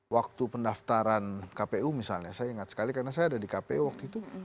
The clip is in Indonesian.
waktu pendaftaran kpu misalnya saya ingat sekali karena saya ada di kpu waktu itu